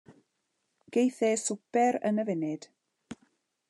Geith e swper yn y funud.